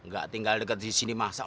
nggak tinggal deket sini masak